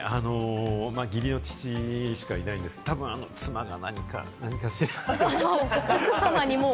義理の父しかいないんですけど、たぶん妻が何かしら。